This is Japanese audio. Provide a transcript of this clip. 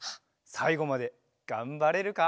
さいごまでがんばれるか？